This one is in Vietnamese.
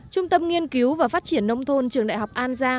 trung tâm nghiên cứu và phát triển nông thôn